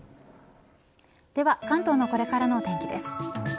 では関東のこれからのお天気です。